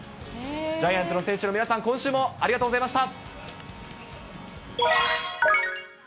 ジャイアンツの選手の皆さん、今週もありがとうございました。